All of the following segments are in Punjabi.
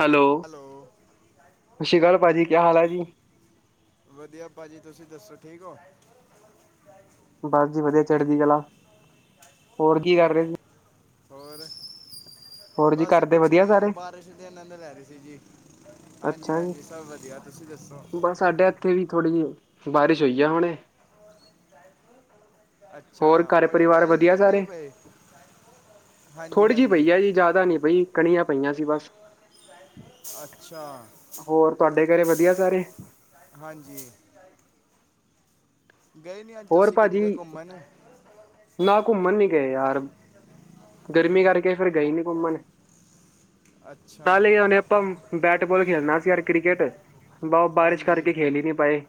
ਹੈਲੋ, ਸਤਿ ਸ਼੍ਰੀ ਅਕਾਲ ਭਾਜੀ ਕਿਆ ਹਾਲ ਹੈ ਜੀ। ਵਧੀਆ ਭਾਜੀ ਤੁਸੀਂ ਦੱਸੋ ਠੀਕ ਹੋ? ਬਸ ਜੀ ਵਧੀਆ ਚੜਦੀ ਕਲਾ ਹੋਰ ਕੀ ਕਰ ਰਹੇ ਸੀ। ਹੋਰ ਹੋਰ ਜੀ ਬਸ ਘਰ ਦੇ ਕੁਛ ਵਧੀਆ ਨੀ ਸਾਰੇ ਬਾਰਿਸ਼ ਤੇ ਆਨੰਦ ਲੈ ਰਹੇ ਸੀ ਜੀ, ਹਾਂਜੀ, ਅੱਛਾ ਜੀ ਹਾਂਜੀ ਸਭ ਵਧੀਆ ਤੁਸੀਂ ਦੱਸੋ? ਸਾਡੇ ਉੱਥੇ ਵੀ ਥੋੜ੍ਹ ਜਿਹੀ ਬਾਰਿਸ਼ ਹੋਈ ਆ ਹੁਣੇ। ਅੱਛਾ ਹੋਰ ਘਰ ਔਲੇ ਪਰਿਵਾਰ ਪਏ ਸੀ ਵਧੀਆ ਜਾਂ ਨਹੀਂ ਸਾਰੇ ਪਏ ਹਾਂਜੀ ਥੋੜ੍ਹੀ ਜਿਹੀ ਹਾਂਜੀ ਪਈਆ ਜੀ ਜ਼ਿਆਦਾ ਨੀ ਪਈ ਕਣੀਆਂ ਪਈਆਂ ਸੀ ਬਸ। ਅੱਛਾ ਹੋਰ ਤੁਹਾਡੇ ਘਰੇ ਵਧੀਆ ਸਾਰੇ। ਹਾਂਜੀ। ਗਏ ਨਹੀਂ ਅੱਜ ਹੋਰ ਤੁਸੀਂ ਭਾਜੀ ਕਿਧਰੇ ਘੁੰਮਣ? ਨਾ ਘੁੰਮਣ ਨੀ ਗਏ ਯਾਰ ਗਰਮੀ ਕਰਕੇ ਫਿਰ ਗਈ ਨੀ ਘੁੰਮਣ ਅੱਛਾ ਨਾਲ਼ੇ ਹੁਨੇ ਆਪਾਂ ਬੈਟਬਾਲ ਖੇਲਣਾ ਸੀ, ਯਾਰ ਕ੍ਰਿਕਟ ਬਓ ਬਾਰਿਸ਼ ਹਾਂਜੀ ਕਰਕੇ ਖੇਲ ਹੀ ਨਹੀਂ ਪਾਏ।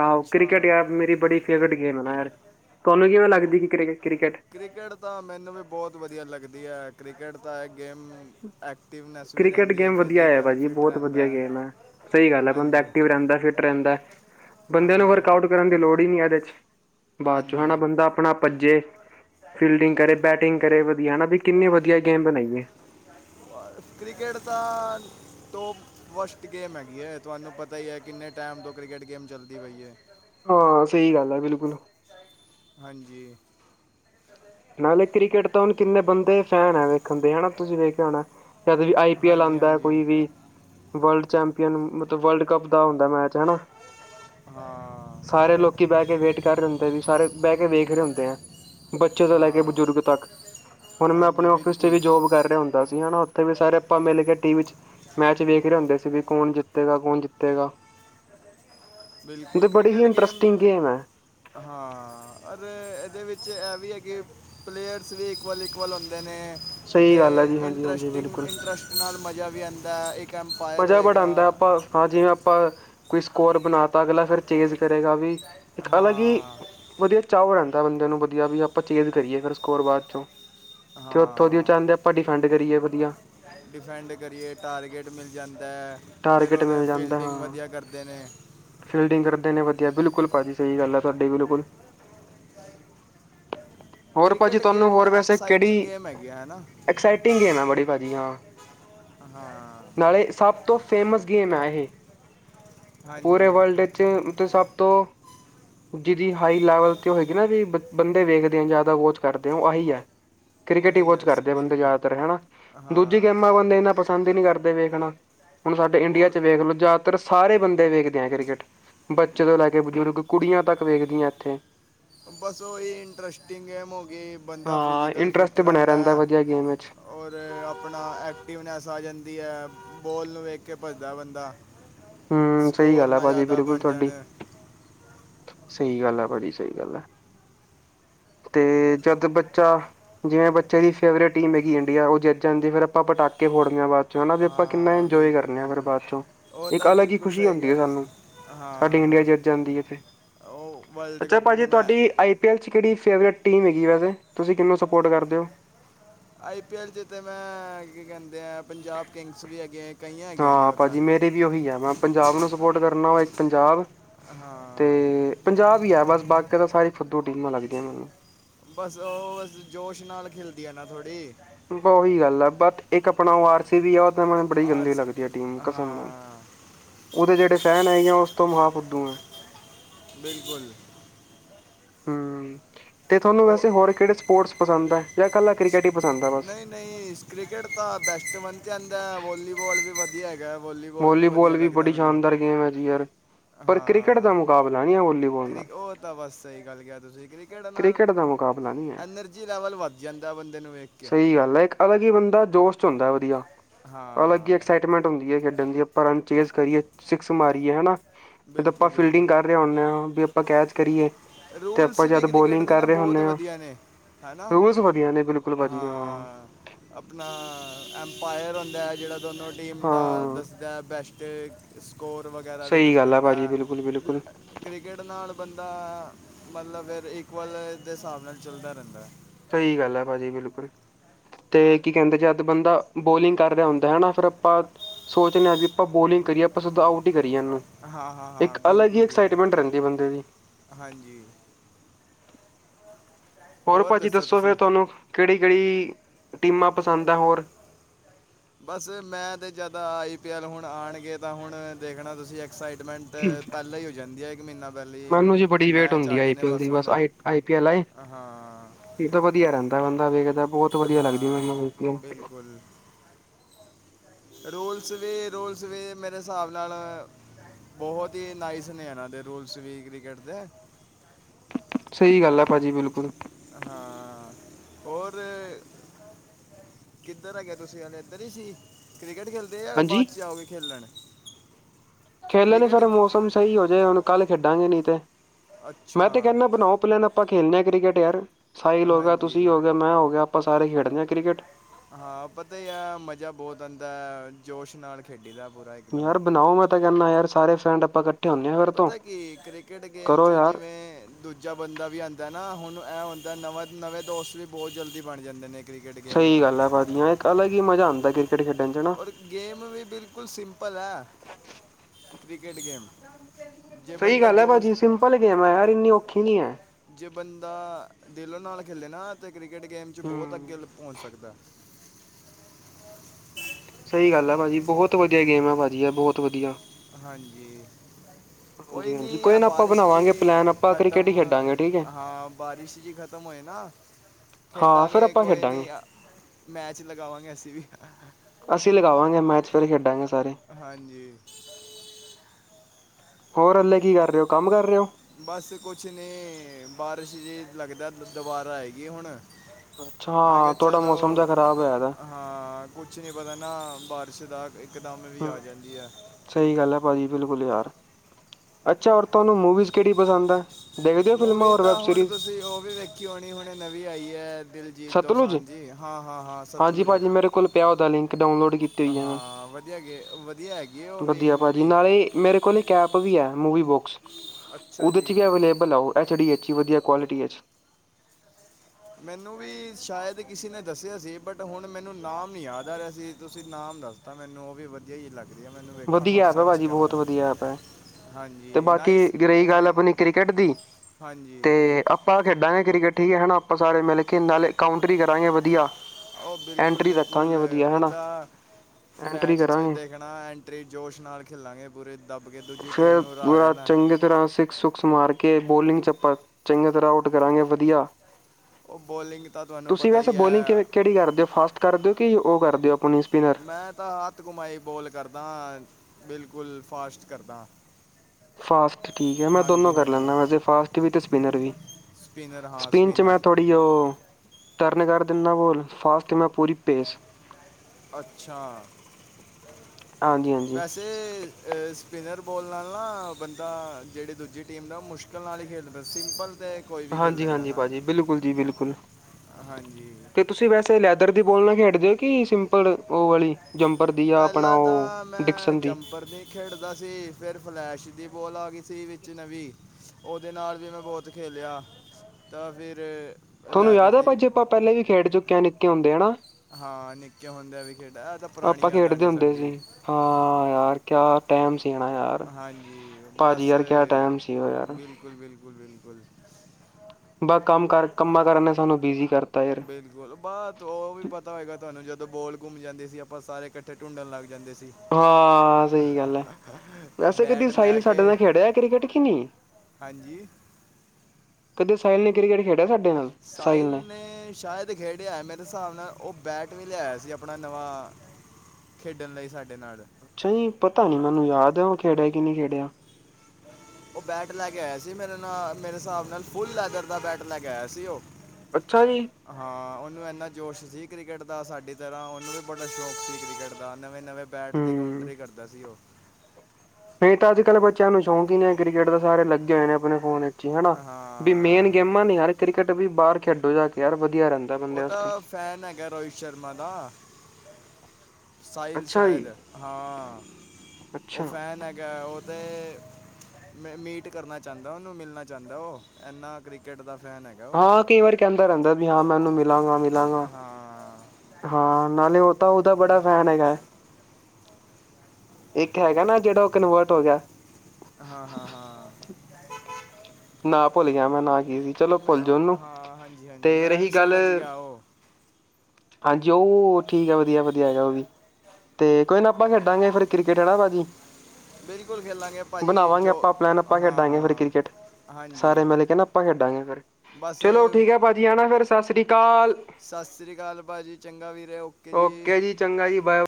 ਆਹੋ ਅੱਛਾ ਕ੍ਰਿਕਟ ਯਾਰ ਮੇਰੀ ਬੜੀ ਫੇਵਰੇਟ ਗੇਮ ਹੈ ਨਾ, ਯਾਰ ਤੁਹਾਨੂੰ ਕਿਵੇਂ ਉਹ ਲੱਗਦੀ ਕਿ ਕ੍ਰਿਕੇਟ ਕ੍ਰਿਕਟ ਤਾਂ ਮੈਨੂੰ ਵੀ ਬਹੁਤ ਵਧੀਆ ਲੱਗਦੀ ਹੈ, ਕ੍ਰਿਕਟ ਤਾਂ ਇਹ ਗੇਮ ਐਕਟਿਵਨੈਸ ਵੀ ਕ੍ਰਿਕਟ ਰਹਿੰਦੀ ਗੇਮ ਵਧੀਆ ਹੈ, ਫਿਜ਼ੀਕਲ ਭਾਜੀ ਫਿਟ ਬਹੁਤ ਰਹਿੰਦਾ ਵਧੀਆ ਗੇਮ ਹੈ ਸਹੀ ਗੱਲ ਹੈ ਬਦਾ ਹਾਂਜੀ ਐਕਟਿਵ ਰਹਿੰਦਾ ਫਿਟ ਰਹਿੰਦਾ ਬੰਦਿਆਂ ਨੂੰ ਹਾਂਜੀ ਵਰਕ ਹਾਂਜੀ ਆਊਟ ਕਰਨ ਦੀ ਲੋੜ ਹੀ ਨੀ ਇਹਦੇ ਚ ਬਾਅਦ ਚ ਹੈ ਨਾ ਹਾਂਜੀ ਬੰਦਾ ਆਪਣਾ ਭੱਜੇ ਫੀਲਡਿੰਗ ਕਰੇ ਬੈਟਿੰਗ ਕਰੇ ਵਧੀਆ ਨਾ ਵੀ ਕਿੰਨੇ ਵਧੀਆ ਗੇਮ ਬਣਾਈਏ। ਕ੍ਰਿਕਕੇਟ ਤਾਂ ਤੋਂ ਵਸਟ ਗੇਮ ਹੈਗੀ ਹੈ ਤੁਹਾਨੂੰ ਪਤਾ ਹੀ ਹੈ ਕਿੰਨੇ ਟਾਈਮ ਤੋਂ ਕ੍ਰਿਕਟ ਗੇਮ ਚੱਲਦੀ ਪਈ ਹੈ। ਹਾਂ ਸਹੀ ਗੱਲ ਆ ਬਿਲਕੁਲ ਹਾਂਜੀ। ਨਾਲੇ ਕ੍ਰਿਕਟ ਤਾਂ ਹੁਣ ਕਿੰਨੇ ਬੰਦੇ ਫੈਨ ਹੈ ਵੇਖਣ ਦੇ ਹੈਨਾ ਤੁਸੀਂ ਵੇਖਿਆ ਹੋਣਾ। ਕਦ ਵੀ ਆਈ ਪੀ ਐਲ ਹਾਂਜੀ ਆਉਂਦਾ ਹਾਂਜੀ ਕੋਈ ਵੀ ਵਰਲਡ ਚੈਂਪੀਅਨ ਮਤਲਬ ਵਰਲਡ ਕੱਪ ਦਾ ਹੁੰਦਾ ਮੈਚ ਹੈਨਾ। ਹਾਂ ਸਾਰੇ ਲੋਕੀ ਬਹਿ ਕੇ ਵੇਟ ਕਰ ਰਹੇ ਹੁੰਦੇ ਆ ਵੀ ਸਾਰੇ ਬਹਿ ਕੇ ਵੇਖ ਰਹੇ ਹੁੰਦੇ ਆ। ਬਚੇ ਤੋ ਲੈ ਕੇ ਹਾਂ ਬਜ਼ੁਰਗ ਤੱਕ ਹੁਣ ਮੈਂ ਹਾਂਜੀ ਆਪਣੇ ਆਫਿਸ ਬਿਲਕੁਲ ਵਿੱਚ ਜੋਬ ਕਰ ਰਿਹਾ ਹੁੰਦਾ ਸੀ, ਹਨਾ ਉੱਥੇ ਵੀ ਸਾਰੇ ਆਪਾਂ ਮਿਲ ਕੇ ਟੀ ਵੀ ਵਿੱਚ ਮੈਚ ਵੇਖ ਰਹੇ ਹੁੰਦੇ ਸੀ, ਵੀ ਕੌਣ ਜਿੱਤੇਗਾ ਕੌਣ ਜਿੱਤੇਗਾ। ਬਿਲਕੁਲ ਤੇ ਬੜੀ ਹੀ ਕ੍ਰਿਕਟ ਗੇਮ ਇੰਟਰਸਟਿੰਗ ਹੈ ਹਾਂ ਇਹਦੇ ਵਿੱਚ ਇਹ ਵੀ ਹੈ ਗੇਮ ਪਲੇਅਰਸ ਵੀ ਇਕੁਲ ਇਕੁਅਲ ਹੁੰਦੇ ਨੇ ਸਹੀ ਅਤੇ ਗੱਲ ਹੈ ਜੀ ਹਾਂਜੀ ਹਾਂਜੀ ਇੰਟਰਸਟਿੰਗ ਬਿਲਕੁਲ ਇੰਟਰਸਟ ਨਾਲ ਮਜ਼ਾ ਵੀ ਆਉਂਦਾ ਇੱਕ ਐੰਪਾਇਰ ਮਜ਼ਾ ਬੜਾ ਹੋਏਗਾ। ਆਉਂਦਾ ਆਪਾਂ ਹਾਂ ਜਿਵੇਂ ਆਪਾਂ ਕੋਈ ਸਕੋਰ ਬਣਾ ਤਾ ਅਗਲਾ ਫਿਰ ਚੇਂਜ ਕਰੇਗਾ ਵੀ ਇੱਕ ਅਲੱਗ ਹੀ ਹਾਂ ਵਧੀਆ ਚਾਹਓ ਰਹਿੰਦਾ ਬੰਦੇ ਨੂੰ ਵਧੀਆ ਵੀ ਆਪਾਂ ਚੇਜ ਕਰੀਏ ਫਿਰ ਸਕੋਰ ਬਾਅਦ ਚੋਂ ਤੇ ਉੱਥੋਂ ਦੀ ਉਹ ਹਾਂ ਚਾਹੁੰਦੇ ਆਪਾ ਡਿਫੇਨਡ ਕਰੀਏ ਵਧੀਆ। ਡਿਫੈਂਡ ਕਰੀਏ ਟਾਰਗੇਟ ਮਿਲ ਜਾਂਦਾ ਐ। ਫੇਰ ਟਾਰਗੇਟ ਓਦੇ ਮਿਲ ਜਾਂਦਾ ਫੀਲਡਿੰਗ ਹਾਂ ਵਦੀਆ ਕਰਦੇ ਨੇ ਫੀਲਡਿੰਗ ਕਰਦੇ ਨੇ ਵਦੀਆ ਬਿਲਕੁਲ ਪਾਜੀ ਸਈ ਗਾੱਲ ਐ, ਤੁਆਡੀ ਬਿਲਕੁਲ ਹੋਰ ਪਾਜੀ ਕ੍ਰਿਕਟ ਤੋਨੂੰ ਗੇਮ ਹੋਰ ਵੈਸੇ ਐਕਸਾਈਟਿੰਗ ਕੇੜੀ ਗੇਮ ਹੈਗੀ ਹੈ ਨਾ ਐਕਸਾਈਟਿੰਗ ਗੇਮ ਹੈ, ਬੜੀ ਭਾਜੀ ਹਾਂ। ਹਾਂ। ਅਰੇ ਸਭ ਤੋ ਫੇਮਸ ਗੇਮ ਐ ਏਹ ਪੂਰੇ ਹਾਂਜੀ ਵੱਲਡ ਤੇ ਸਭ ਤੋਂ ਜਿਦੀ ਹਾਈ ਲੈਵਲ ਤੇ ਹੋਏਗੀ ਨਾ ਵੀ ਬ ਬੰਦੇ ਵੇਖਦੇ ਆ, ਜੈਦਾ ਵੋਚ ਕਰਦੇ ਆ ਓ ਆਹੀ ਆ। [inaudible] ਉਹ ਕ੍ਰਿਕੇਟ ਹੀ ਵੋਝ ਯਸ ਕਰਦੇ ਬੰਦੇ ਬਿਲਕੁਲ ਜੈਦਾਤਰ ਹੈਣਾ, ਦੂਜੀ ਹਾਂ ਗੇਮਾਂ ਬੰਦੇ ਏਨਾ ਪਸੰਦ ਈ ਨੀ ਕਰਦੇ ਵੇਖਣਾ। ਹੁਣ ਸਾਡੇ ਇੰਡੀਆ ਉਹ ਚ ਵੇਖ ਲੋ ਜੈਦਾਤਰ ਸਾਰੇ ਬੰਦੇ ਵੇਖਦੇ ਆ ਕ੍ਰਿਕੇਟ, ਬੱਚੇ ਤੋ ਲੈ ਕੇ ਬਜ਼ੁਰਗ ਕੁੜੀਆਂ ਤੱਕ ਵੇਖਦੀਆਂ ਏਥੇ ਬਾੱਸ ਓਈ ਇੰਟਰਸਟਿੰਗ ਗੇਮ ਹੋਗੀ, ਬੰਦਾ ਹਾਂ ਫਿਜ਼ਕਲ ਫਿਟ ਇੰਟਰਸਟ ਬਣਿਆ ਰਹਿੰਦਾ ਰੈਂਦਾ। ਵਧੀਆ ਗੇਮ ਵਿੱਚ ਓਰ ਆਪਣਾ ਐਕਟਿਵਨੈਸ ਆ ਜਾਂਦੀ ਐ, ਬੋਲ ਨੂੰ ਵੇਖ ਕੇ ਭੱਜਦਾ ਬੰਦਾ ਹੂੰ, ਸਹੀ ਸਕੋਰ ਗੱਲ ਆ ਨਾ ਭਾਜੀ ਯਾਦਾ ਬਣ ਜਾਣ ਸਈ ਗਾੱਲ ਐ, ਪਾਜੀ ਸਈ ਗਾੱਲ ਐ। ਤੇ ਜਦ ਬੱਚਾ, ਜਿਵੇਂ ਜੇੜੀ ਫੇਵਰੇਟ ਟੀਮ ਹੈਗੀ ਇੰਡੀਆ ਓ ਜੇੱਤ ਜਾਂਦੀ ਫੇਰ ਆਪਾਂ ਪਟਾਕੇ ਫੋੜਨੇ ਬਾਦ [unintelligible] ਆਪਾਂ ਕਿੰਨਾ ਹਾਂ ਇੰਜੋਏ ਬਿਲਕੁਲ ਕਰਨੇ ਆਂ ਫੇਰ ਬਿਲਕੁਲ ਬਾਦ ਚੋਂ ਉਹ ਇੱਕ ਤਾਂ ਅਲੱਗ ਈ ਬਿਲਕੁਲ ਖੁਸ਼ੀ ਸਹੀ ਹੁੰਦੀ ਐ ਕਿਹਾ ਤੁਸੀਂ ਸਾਨੂੰ, ਸਾਡੀ ਇੰਡੀਆ ਹਾਂ ਜੇੱਤ ਜਾਂਦੀ ਏ। ਉਹ ਵਰਲਡ ਅੱਛਾ, ਕੱਪ ਪਾਜੀ ਮੈਂ ਤੋਆਡੀ ਆਈ ਪੀ ਐੱਲ ਚ ਕੇੜੀ ਫੇਵਰੇਟ ਟੀਮ ਹੈਗੀ ਵੈਸੇ, ਤੁਸੀ ਕਿੰਨੁ ਸਪੋਟ ਕਰਦੇ ਓ। ਆਈ ਪੀ ਐਲ ਚ ਤੇ ਮੈਂ ਕੀ ਕੈਂਦੇ ਆ ਪੰਜਾਬ ਕਿੰਗਸ ਵੀ ਹੈਗੇ ਐ। ਹਾਂ, ਪਾਜੀ ਮੇਰੀ ਵੀ ਓਹੀ ਆ, ਮੈਂ ਪੰਜਾਬ ਨੂੰ ਸਪੋਟ ਕਰਨਾ ਏਕ ਪੰਜਾਬ ਤੇ ਹਾਂ ਪੰਜਾਬ ਈ ਐ ਬਾੱਸ ਬਾਕਿਆ ਤਾ ਸਾਰੇ ਫੁਦੂ ਟੀਮਾਂ ਲੱਗਦੀਆਂ ਮੈਨੂੰ ਬਸ ਓਹ ਜੋਸ਼ ਨਾਲ ਖਿਲਦੀ ਐ ਨਾ ਥੋੜੀ ਬਾ ਓਈ ਗਾੱਲ ਆ ਬਟ ਇੱਕ ਆਪਣਾ ਓ ਆਰਸੀ ਵੀ ਆ [unintelligible] ਬੜੀ ਆਰ ਗੰਦੀ ਸੀ। ਲੱਗਦੀ ਐ ਟੀਮ, ਕਸਮ ਨਾਲ ਹਾਂ ਓਦੇ ਜੇੜੇ ਫੈਨ ਹੈਗੇ ਆ, ਓਸ ਤੋ ਮਾਂਹਾ ਫੁਦੂ ਐਂ। ਬਿਲਕੁਲ ਹੂੰ, ਤੇ ਤੋਨੂੰ ਹੋ ਵੈਸੇ ਹੋਰ ਕੇੜੇ ਸਪੋਟਸ ਪਸੰਦ ਐ, ਯਾ ਕੱਲਾ ਕ੍ਰਿਕੇਟ ਈ ਪ ਨਈ, ਨਈ ਕ੍ਰਿਕੇਟ ਤਾ ਬੈਸਟ ਬਨ ਜਾਂਦਾ, ਵੋਲੀਬੋਲ ਵੀ ਵਦੀਆ ਹੈਗਾ। ਵੋਲੀ ਬੋਲ ਵੀ ਵਦੀਆ ਵੋਲੀਬੋਲ ਲੱਗਦਾ ਬੜੀ ਮੈਨੂੰ ਸ਼ਾਨਦਾਰ ਗੇਮ ਹੈ ਜੀ ਯਾਰ ਪਰ ਕ੍ਰਿਕਟ ਹਾਂ, ਦਾ ਮੁਕਾਬਲਾ ਨਹੀਂ ਹੈ ਵੋਲੀਬੋਲ ਦਾ ਕ੍ਰ ਓ ਤਾ ਬਾੱਸ ਸਈ ਗਾੱਲ ਕੇਆ ਤੁਸੀ ਕ੍ਰਿਕੇਟ ਨਾਲ ਕ੍ਰਿਕਟ ਦਾ ਮੁਕਾਬਲਾ ਨਹੀਂ ਹੈ ਐਨਰਜੀ ਲੈਵਲ ਵੱਦ ਜਾਂਦਾ ਬੰਦੇ ਨੂੰ ਵੇਖ ਕੇ ਸਹੀ ਗੱਲ ਹੈ ਇੱਕ ਅਲੱਗ ਹੀ ਬੰਦਾ ਜੋਸ਼ ਚ ਹੁੰਦਾ ਵਧੀਆ ਹਾਂ। [unintelligible] ਖੇਡਣ ਦੀ ਆਪਾਂ ਰਂਗ ਚੇਜ਼ ਕਰੀਏ ਸਿਕਸ ਮਾਰੀਏ ਹਨਾ। ਜਦ ਆਪਾਂ ਬਿਲਕੁਲ ਫੀਲਡਿੰਗ ਬਿਲਕੁਲ ਕਰ ਰੇ ਹੋਨੇ ਆਂ, ਵੀ ਆਪਾਂ ਕੈਚ ਕਰੀਏ। ਤੇ ਰੂਲਸ ਆਪਾਂ ਵੀ ਜਦ ਕ੍ਰਿਕੇਟ ਬੋਲਿੰਗ ਦੇ ਕਰ ਨਾ ਰਹੇ ਬੋਤ ਹੁੰਦੇ ਹਾਂ ਵਦੀਆ ਨੇ ਹੈਨਾ, ਰੂਲਸ ਵਧੀਆ ਨੇ ਬਿਲਕੁਲ ਭਾਜੀ ਹਾਂ। ਆਪਨਾ ਐੰਪਾਯਰ ਹੋਂਦਾ ਜੇੜਾ ਦੋਨੋਂ ਟੀਮ ਦਾ ਹਾਂ। ਦਸਦਾ ਬੈਸਟ ਸਕੋਰ ਵਗੈਰਾ ਵੀ ਸਹੀ ਦੱਸ ਗੱਲ ਆ ਭਾਜੀ ਬਿਲਕੁਲ-ਬਿਲਕੁਲ ਕ੍ਰਿਕੇਟ ਨਾਲ ਬੰਦਾ ਮਲਬ ਫੇਰ ਇਕਵਲ ਦੇ ਸਾਬ ਨਾਲ ਚੱਲਦਾ ਰੈਂਦਾ। ਸਈ ਗਾੱਲ ਐ ਪਾਜੀ ਬਿਲਕੁਲ, ਤੇ ਕੀ ਕੈਂਦੇ ਜਦ ਬੰਦਾ ਬੋਲਿੰਗ ਕਾੱਰ ਰੇਆ ਹੋਂਦਾ ਹਨਾ। ਪਰ ਆਪਾ ਸੋਚਨੇ ਆ ਵੀ ਆਪਾਂ ਬੋਲਿੰਗ ਕਰੀਏ ਆਪਾਂ ਸਿਦਾ ਆਊਟ ਹੀ ਕਰੀਏ ਏਨੂੰ ਹਾਂ ਹਾਂ ਏਕ ਹਾਂ ਅਲੱਗ ਈ ਬਿਲਕੁਲ ਐਕਸਾਈਟਮੈਂਟ ਬਿਲਕੁਲ ਰੈਂਦੀ ਬੰਦੇ ਦੀ ਹਾਂਜੀ। ਹੋਰ ਪਾਜੀ ਦੱਸੋ ਫੇਰ ਤੋਨੂੰ ਕੇੜੀ, ਕੇੜੀ ਟੀਮਾਂ ਪਸੰਦ ਆ ਹੋਰ ਬਸ, ਮੈਂ ਤੇ ਜੱਦ ਆਈ ਪੀ ਐੱਲ ਹੁਣ ਆਣਗੇ ਤਾਂ, ਹੁਣ ਦੇਖਣਾ ਤੁਸੀਂ ਐਕਸਾਈਟ ਟਮਿੰਟ ਪਹਿਲਾਂ ਹੀ ਹੋ ਜਾਂਦੀ ਹੈ, ਇੱਕ ਮਹੀਨਾ ਲੀ ਮੈਨੂੰ ਜੀ ਬੜੀ ਵੇਟ ਮੈਚ ਹੁੰਦੀ ਆ ਗਏ ਆਈ ਨੇ, ਪੀ ਐਲ ਬਸ ਦੀ ਹੁਣ ਹਾਂ। ਫਿਰ ਤਾਂ ਵਧੀਆ ਰਹਿੰਦਾ ਬੰਦਾ ਵੇਖਦਾ, ਬਹੁਤ ਵਧੀਆ ਲਗਦੀ ਹਾਂ ਮੈਨੂੰ ਵਖ ਬਿਲਕੁਲ ਰੂਲਸ ਵੇ, ਰੋਲਸ ਵੇ, ਮੇਰੇ ਹਿਸਾਬ ਨਾਲ ਬਹੁਤ ਹੀ ਨਾਈਸ ਨੇ ਇਹਨਾਂ ਦੇ ਰੂਲਸ, ਵੀ ਕ੍ਰਿਕਟ ਦੇ। ਸਹੀ ਗੱਲ ਆ ਭਾਜੀ, ਬਿਲਕੁਲ। ਹਾਂ, ਔਰ ਕਿੱਧਰ ਹੈਗੇ ਤੁਸੀਂ ਹੁਣ, ਇੱਧਰ ਹੀ ਸੀ ਕ੍ਰਿਕਟ ਖੇਲਦੇ? ਦੇ ਆ ਹਾਂਜੀ। ਬਾਅਦ'ਚ ਜਾਓਗੇ ਖੇਲਣ? ਖੇਲੇ ਨੇ ਕ੍ਰਿਕਟ ਫਿਰ ਮੌਸਮ ਸਹੀ ਹੋ ਜਾਏ ਹੁਣ ਕੱਲ ਖੇਡਾਂਗੇ ਨਹੀਂ ਤੇ, ਮੈਂ ਤੇ ਅੱਛਾ ਕਹਿੰਨਾ ਬਣਾਓ ਪਲੈਨ ਆਪਾਂ ਖੇਲਨੇ ਹਾਂ ਕ੍ਰਿਕਟ ਯਾਰ। ਸਾਈਲ ਹੋ ਗਿਆ, ਤੁਸੀਂ ਹਾਂਜੀ ਹੋਗੇ, ਮੈਂ ਹੋ ਗਿਆ, ਆਪਾਂ ਸਾਰੇ ਖੇਡਦੇ ਆਂ ਕ੍ਰਿਕਟ। ਹਾਂ ਪਤਾ ਈ ਆ, ਮਜ਼ਾ ਬਹੁਤ ਆਂਦਾ, ਜੋਸ਼ ਨਾਲ ਖੇਡੀ ਦਾ ਪੂਰਾ ਇੱਕਦਮ। ਬਣਾਉ, ਮੈਂ ਤਾਂ ਕਹਿੰਨਾ ਯਾਰ, ਸਾਰੇ ਫਰੈਂਡ ਆਪਾਂ ਕ ਪਤਾ ਕੀ, ਕ੍ਰਿਕਟ ਗੇਮ 'ਚ ਯਾਰ ਜਿਵੇਂ ਦੂਜਾ ਬੰਦਾ ਵੀ ਆਂਦਾ ਨਾ, ਉਹਨੂੰ ਐ ਹੁੰਦਾ ਨਵਾਂ, ਨਵੇਂ ਦੋਸਤ ਵੀ, ਬਹੁਤ ਜਲਦੀ ਬਣ ਜਾਂਦੇ ਨੇ। ਕ੍ਰਿਕਟ ਗੇਮ ਨਾਲ ਅਲਗ ਹੀ ਮਜ਼ਾ ਆਂਦਾ ਕਿ ਕ੍ਰਿਕਟ ਖੇਡਣ ਚ। ਨਾ ਔਰ ਗੇਮ ਵੀ ਬਿਲਕੁਲ ਸਿੰਪਲ ਐ। ਕ੍ਰਿਕਟ ਗੇਮ ਜੇ ਸਹੀ ਬੰਦਾ ਗੱਲ ਹੈ ਜੋਸ਼ [unintelligible] ਗੇਮ ਹੈ ਯਾਰ ਇੰਨੀ ਔਖੀ ਨੀ ਐ। ਜੇ ਬੰਦਾ ਦਿਲ ਨਾਲ ਖੇਲੇ ਨਾ ਤਾਂ ਕ੍ਰਿਕਟ ਗੇਮ ਚ ਬਹੁਤ ਹੂੰ ਅੱਗੇ ਪਹੁੰਚ ਸਕਦਾ। ਸਹੀ ਗੱਲ ਆ ਪਾਜੀ ਬਹੁਤ ਵਧੀਆ ਗੇਮ ਆ ਪਾਜੀ, ਆ ਬਹੁਤ ਵਧੀਆ। ਹਾਂਜੀ। ਕੋਈ ਹਾਂਜੀ ਹਾਂਜੀ ਨੀ ਐ ਕੋਈ ਨਾ ਆਪਾਂ ਬਾਰਿਸ਼ ਬਣਾਵਾਂਗੇ ਜੀ ਪਲੈਨ ਆਪਾਂ ਕ੍ਰਿਕਟ ਹੀ ਖਤਮ, ਖੇਡਾਂਗੇ ਠੀਕ ਹੈ ਹਾਂ ਬਾਰਿਸ਼ ਜੀ ਖਤਮ ਤਮ ਹੋਏ ਨਾ ਹਾਂ ਫਿਰ ਖੇਡਾਂਗੇ ਆਪਾਂ ਕੋਈ ਖੇਡਾਂਗੇ ਨੀ, ਅ ਮੈਚ ਲਗਾਵਾਂਗੇ ਅਸੀਂ ਵੀ। ਅਸੀਂ ਲਗਾਵਾਂਗੇ ਮੈਚ ਫੇਰ ਖੇਡਾਂਗੇ ਸਾਰੇ। ਹਾਂਜੀ। ਹੋਰ ਹੱਲੇ ਕੀ ਕਰ ਰਹੇ ਹੋ? ਕੰਮ ਕਰ ਰਹੇ ਹੋ? ਬਸ ਕੁਛ ਨੀ‌‌, ਬਾਰਿਸ਼ ਜਿਹ ਲੱਗਦਾ ਦੁਬਾਰਾ ਆਏਗੀ ਹੁਣ। ਅੱਛਾ, ਕਿਹਾ ਹਾਂ ਥੋੜਡਾ ਚਲੋ ਮੌਸਮ ਤਾਂ ਖਰਾਬ ਹੋਇਆ ਦਾ। ਹਾਂ ਕੁਛ ਨਹੀਂ ਪਤਾ ਨਾ ਬਾਰਿਸ਼ ਦਾ ਇਕਦਮ ਵੀ ਆ ਜਾਂਦੀ ਐ। ਸਈ ਗੱਲ ਐ ਪਾਜੀ ਬਿਲਕੁਲ ਯਾਰ। ਅੱਛਾ, ਔਰ ਤੁਹਾਨੂੰ ਮੂਵੀਜ਼ ਕਿਹੜੀ ਪਸੰਦ ਐ? ਦੇਖਦੇ ਹੋ ਫਿਲਮਾਂ ਔਰ ਵੈੱਬ ਸੀਰੀਜ਼। ਤੇ ਉਹ ਵੀ ਵੇਖ ਵੇਖੀ ਹੋਣੀ ਹੁਣੇ ਨਵੀਂ ਆਈ ਏ, ਦਿਲਜੀਤ ਸਤਲੁਜ ਦੋਸਾਂਝ ਦੀ ਹਾਂ-ਹਾਂ-ਹਾਂ ਹਾਂਜੀ ਸਤਲੁਜ। ਭਾਜੀ ਮੇਰੇ ਕੋਲ ਪਿਆ ਉਹਦਾ ਲਿੰਕ ਡਾਊਨਲੋਡ ਕੀ ਕੀਤੀ ਹੋਈ ਐ। ਵਧੀ ਵਧੀਆ ਹੈ। ਉਹ ਵੀ ਵਧੀਆ ਭਾਜੀ ਮੂਵੀ ਨਾਲੇ ਮੇਰੇ ਕੋਲ ਇੱਕ ਐਪ ਵੀ ਐ ਮੂਵੀਬੋਕਸ ਅੱਛਾ ਉਹਦੇ ਜੀ ਚ ਵੀ ਅਵੇਲੇਬਲ ਏ ਉਹ ਐੱਚ ਡੀ ਐੱਚੀ ਵਧੀਆ ਕੁਆਲਿਟੀ ਹੇ ਜੀ। ਮੈਨੂੰ ਵੀ ਸ਼ਾਇਦ ਕਿਸੇ ਨੇ ਦਸੇਆ ਸੀ। ਬਟ ਹੁਣ ਮੈਨੂੰ ਨਾਮ ਨੀ ਯਾਦ ਆ ਰਿਹਾ ਸੀ, ਤੁਸੀਂ ਨਾਮ ਦੱਸਤਾ ਮੈਨੂੰ ਉਹ ਵੀ ਵਧੀਆ ਹੀ ਲੱਗ। ਰਹੀ ਹੈ ਮੈਨੂੰ ਵੇਖਾਂਗਾ ਵਧੀਆ ਐਪ ਐ, ਸਰਚ ਪਾਜੀ ਬਹੁਤ ਕਰਾਂਗਾ ਵਧੀਆ ਐਪ ਐ। ਹਾਂਜੀ ਤੇ ਨਾਈਸ ਬਾਕੀ ਰਹੀ ਗੱਲ ਮੂਵੀ ਆਪਣੀ ਕ੍ਰਿਕਟ ਦੀ ਹਾਂਜੀ ਤੇ ਆਪਾਂ ਖੇਡਾਂਗੇ ਕ੍ਰਿਕਟ ਠੀਕ ਹੈਨਾ, ਆਪਾਂ ਸਾਰੇ ਮਿਲ ਕੇ ਨਾਲੇ ਕਾਊਂਟਰੀ ਕਰਾਂਗੇ ਵਧੀਆ। ਉਹ ਐਂਟਰੀ ਰੱਖਾਂਗੇ ਬਿਲਕੁਲ-ਬਿਲਕੁਲ ਵਧੀਆ ਉਹ ਹਨਾ ਤਾਂ ਐਂਟਰੀ ਮੈਚ ਚ ਦੇਖ ਕਰਾਂਗੇ ਦੇਖਨਾ ਐਂਟਰੀ ਜੋਸ਼ ਨਾਲ ਖੇਲਾਂਗੇ ਪੂਰੇ ਦੱਬ ਕੇ ਦੂਜੀ ਟੀਮ ਫਿਰ ਨੂੰ ਹਰਾ ਪੂਰਾ ਦੇਨਾ। ਚੰਗੀ ਤਰ੍ਹਾਂ ਸਿੱਕਸ ਸੁਕਸ ਮਾਰ ਕੇ ਬੋਲਿੰਗ ਚ ਆਪਾਂ ਚੰਗੀ ਤਰ੍ਹਾਂ ਆਊਟ ਕਰਾਂਗੇ ਵਧੀਆ। ਉਹ ਬੋਲਿੰਗ ਤਾਂ ਤੁਹਾਨੂੰ ਤੁਸੀਂ ਪਤਾ ਵੈਸੇ ਹੀ ਬੋਲਿੰਗ ਹੈ ਕਿਹੜੀ ਕਰਦੇ ਓ ਫਾਸਟ ਕਰਦੇ ਓ ਕਿ ਉਹ ਕਰਦੇ ਹੋ ਆਪਣੀ ਸਪਿਨ? ਮੈਂ ਤਾਂ ਹੱਥ ਕੁਮਾਈ ਬੋਲ ਕਰਦਾ ਆਂ ਬਿਲਕੁਲ ਫਾਸਟ ਕਰਦਾ ਹਾਂ। ਫਾਸਟ ਠੀਕ ਐ, ਮੈਂ ਦੋਨੋਂ ਕਰ ਹਾਂਜੀ ਲੈਂਨਾ ਵੈਸੇ ਫਾਸਟ ਵੀ ਅਤੇ ਸਪਿਨਰ ਵੀ। ਸਪਿਨਰ ਹਾਂ ਸਪਿ ਸਪਿਨ ਮੈਂ ਥੋੜ੍ਹੀ ਉਹ ਟਰਨ ਕਰ ਦਿੰਦਾ ਆ ਬੋਲ, ਫ਼ਾਸਟ ਮੈਂ ਪੂਰੀ ਅੱਛਾ ਹਾਂਜੀ-ਹਾਂਜੀ। ਵੈਸੇ ਸਪਿਨਰ ਬੋਲ ਨਾਲ ਨਾ ਬੰਦਾ ਜਿਹੜੀ ਦੂਜੀ ਟੀਮ ਦਾ ਉਹ ਮੁਸ਼ਕਿਲ ਨਾਲ ਹੀ ਖੇਡਦਾ ਸਿੰਪਲ ਤੇ ਕੋਈ ਵੀ ਖੇਲ ਹਾਂਜੀ ਲੱਗਦਾ ਹਾਂਜੀ ਹਾਂ, ਭਾਅ ਜੀ ਬਿਲਕੁਲ ਜੀ ਬਿਲਕੁਲ ਹਾਂਜੀ। ਤੇ ਤੁਸੀਂ ਵੈਸੇ ਲੈਦਰ ਦੀ ਬੋਲ ਨਾਲ ਖੇਡਦੇ ਓ ਕਿ ਸਿੰ ਪਰ ਉਹ ਵਾਲੀ ਜੰਪਰ ਦੀ ਆ, ਆਪਣਾ ਪਹਿਲਾਂ ਤਾਂ ਉਹ ਮੈਂ ਡਿਕਸਨ ਦੀ ਜੰਪਰ ਨਹੀਂ ਖੇਡਦਾ ਸੀ ਫਿਰ ਫਲੈਸ਼ ਦੀ ਬੋਲ ਆ ਗਈ ਸੀ ਵਿੱਚ ਨਵੀਂ ਉਹਦੇ ਨਾਲ ਵੀ ਮੈਂ ਬਹੁਤ ਖੇਲਿਆ ਤਾਂ ਫਿਰ ਤੁਹਾਨੂੰ ਯਾਦ ਲੈਦਰ ਐ ਦੀ ਪਾਜੀ ਆਪਾਂ ਪਹਿਲਾ ਵੀ ਖੇਡ ਚੁੱਕੇ ਹਾਂ ਨਿੱਕੇ ਹੁੰਦੇ ਹੈਨਾ। ਹਾਂ ਨਿੱਕੇ ਹੁੰਦਿਆਂ ਵੀ ਖੇਡਿਆ ਏਹ ਤਾਂ ਪੁਰਾਣੀ ਆਪਾਂ ਯਾਦਾਂ ਖੇਡਦੇ ਨੇ ਹੁੰਦੇ ਸਾਡੀ ਸੀ ਹਾਂ ਯਾਰ। ਕਿਆ ਟਾਈਮ ਸੀਨਾ ਯਾਰ ਹਾਂਜੀ ਪਾਜੀ ਯਾਰ ਕਿਆ ਟਾਈਮ ਸੀ ਉਹ ਯਾਰ। ਬਿਲਕੁਲ-ਬਿਲਕੁਲ-ਬਿਲਕੁਲ। ਬਸ ਕੰਮ ਕਰ ਕੰਮਾਂ ਕਾਰਾ ਨੇ ਸਾਨੂੰ ਬਿਜੀ ਕਰਤਾ ਯਾਰ ਬਿਲ ਬੋਲ ਬਸ ਉਹ ਵੀ ਪਤਾ ਹੋਏਗਾ ਤੁਹਾਨੂੰ ਜਦੋਂ ਬੋਲ ਗੁਮ ਜਾਂਦੀ ਸੀ, ਆਪਾਂ ਸਾਰੇ ਇਕੱਠੇ ਢੂੰਡਣ ਲੱਗ ਜਾਂਦੇ ਸੀ ਹਾਂ ਸਹੀ ਗੱਲ ਹੈ, ਆ ਵੈਸੇ ਕਦੀ ਬੈਟ ਲੈ ਸਾਹਿਲ ਸਾਡੇ ਕੇ ਨਾਲ ਖੇਡਿਆ ਕ੍ਰਿਕਟ ਕਿ ਨਹੀਂ ਹਾਂਜੀ। ਕਦੇ ਸਾਹਿਲ ਨੇ ਕ੍ਰਿਕਟ ਖੇ ਸਾਹਿਲ ਨੇ ਸ਼ਾਇਦ ਤੇ ਖੇਡਿਆ ਮੇਰੇ ਹਿਸਾਬ ਨਾਲ ਉਹ ਬੈਟ ਵੀ ਲਿਆਇਆ ਸੀ ਆਪਣਾ ਨਵਾਂ। ਖੇਡਣ ਲਈ ਸਾਡੇ ਨਾਲ। ਅੱਛਾ ਜੀ ਪਤਾ ਨੀ ਹਾਂ, ਮੈਨੂੰ ਯਾਦ ਹੈ ਉਹ ਖੇਡਿਆ ਕਿ ਨਹੀਂ ਖੇਡਿਆਂ। ਉਹ ਬੈਟ ਲੈ ਕੇ ਆਇਆ ਸੀ ਮੇਰੇ ਨਾਲ ਮੇਰੇ ਹਿਸਾਬ ਨਾਲ, ਫੁੱਲ ਲੈਦਰ ਦਾ ਬੈਟ ਲੈ ਕੇ ਆਇਆ ਸੀ ਉਹ ਅੱਛਾ ਜੀ। ਹਾਂ ਉਹਨੂੰ ਇੰਨਾ ਜੋਸ਼ ਸੀ ਕ੍ਰਿਕਟ ਦਾ ਸਾਡੀ ਤਰ੍ਹਾਂ, ਉਹਨੂੰ ਵੀ ਬੜਾ ਸ਼ੌਂਕ ਸੀ ਕ੍ਰਿਕਟ ਦਾ ਨਵੇਂ-ਨਵੇਂ ਪੈਡ ਦੀ ਹੂੰ ਕਾਊਂਟਰੀ ਕਰਦਾ ਸੀ ਉਹ ਨਈ ਤਾਂ ਅੱਜ-ਕੱਲ ਬੱਚਿਆਂ ਨੂੰ ਸ਼ੌਂਕ ਈ ਨਈ ਕ੍ਰਿਕਟ ਦਾ ਸਾਰੇ ਲੱਗੇ ਹੋਏ ਨੇ ਆਪਨੇ ਫੋਨ ਵਿਚ ਤੇ ਹੋਣਾ ਵੀ ਮੇਨ ਹਾਂ ਗੇਮਾਂ ਨੇ ਯਾਰ ਕ੍ਰਿਕਟ ਵੀ ਬਾਹਰ ਖੇਡੋ ਜਾ ਕੇ ਯਾਰ ਵਧੀਆ ਰਹਿੰਦਾ। ਬੰਦੇ ਉਹ ਵਾਸਤੇ। ਤਾਂ ਫੈਨ ਹੈਗਾ ਰੋਹਿਤ ਸ਼ਰਮਾ ਦਾ ਸਾਈਲ ਅੱਛਾ ਸ਼ੈਦ, ਜੀ ਹਾਂ ਓ ਅੱਛਾ ਫੈਨ ਹੈਗਾ ਓ ਤੇ ਮੈਂ ਮੀਟ ਕਰਨਾ ਚਾਹੁੰਦਾ ਓਹਨੂੰ ਮਿਲਣਾ ਚਾਹੁੰਦਾ ਉਹ ਇੰਨਾ ਕ੍ਰਿਕਟ ਦਾ ਫ਼ੈਨ ਹੈਗਾ ਓਹ। ਹਾਂ ਕਈ ਵਾਰ ਕੈਂਦਾ ਰੈਂਦਾ ਵੀ ਹਾਂ ਮੈ ਓਹਨੂੰ ਮਿਲਾਂਗਾ ਮਿ ਅਹਾਂ। ਹਾਂ ਨਾਲੇ ਓ ਤਾਂ ਓਦਾ ਬੜਾ ਫੈਨ ਹੈਗਾ ਐ। ਇੱਕ ਹੈਗਾ ਨਾ ਜੇੜਾ ਓ ਕਨਵਰਟ ਹੋ ਗਿਆ। ਹਾਂ-ਹਾਂ-ਹਾਂ। ਨਾ ਭੁੱਲ ਗਿਆ ਮੈਂ ਨਾ ਕੀ ਸੀ, ਚਲੋ ਭੁੱਲ ਜਾਓ ਉਹ- ਉਹਨੂੰ ਹਾਂ ਹਾਂਜੀ ਹਾਂਜੀ ਤੇ ਮੈਂ ਰਹੀ ਵੀ ਗੱਲ ਸਮਝ ਗਿਆ ਉਹ ਹਾਂਜੀ, ਉਹ ਠੀਕ ਆ, ਵਧੀਆ-ਵਧੀਆ ਹੈਗਾ ਉਹ ਵੀ। ਤੇ ਕੋਈ ਨਾ, ਆਪਾਂ ਖੇਡਾਂਗੇ ਫਿਰ ਕ੍ਰਿਕਟ ਹੈ ਨਾ ਭਾਜੀ। ਬਿਲਕੁਲ ਖੇਲਾਂਗੇ ਭਾਜੀ ਬਣਾਵਾਂਗੇ ਜੋ ਆਪਾਂ ਪਲੈਨ, ਆਪਾਂ ਹਾਂ ਖੇਡਾਂਗੇ ਫਿਰ ਹਾਂ ਕ੍ਰਿਕਟ। ਹਾਂਜੀ ਸਾਰੇ ਮਿਲ ਕੇ ਨਾ ਆਪਾਂ ਖੇਡਾਂਗੇ ਫਿਰ, ਬਸ ਚਲੋ ਠੀਕ ਹੈ ਭਾਜੀ ਹੈਣਾ ਫਿਰ ਸਤਿ ਸ੍ਰੀ ਅਕਾਲ। ਸਤਿ ਸ਼੍ਰੀ ਅਕਾਲ ਭਾਜੀ, ਚੰਗਾ ਵੀਰੇ ਓਕੇ ਜੀ। ਚੰਗਾ ਜੀ ਬਾਏ।